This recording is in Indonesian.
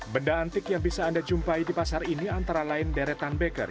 benda antik yang bisa anda jumpai di pasar ini antara lain deretan beker